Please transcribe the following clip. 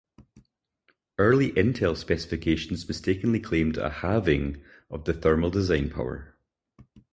Early Intel specifications mistakenly claimed a halving of the Thermal Design Power.